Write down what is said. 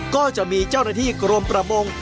ก็จะมีเจ้าหน้าที่กรมประมง